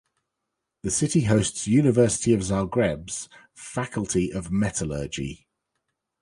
The city hosts University of Zagreb's Faculty of Metallurgy.